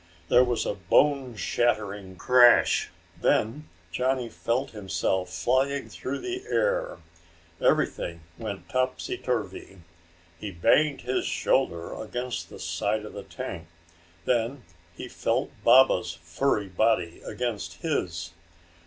There was a bone shattering crash. Then Johnny felt himself flying through the air. Everything went topsy turvy. He banged his shoulder against the side of the tank. Then he felt Baba's furry body against his.